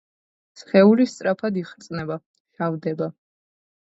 სხეული სწრაფად იხრწნება, შავდება.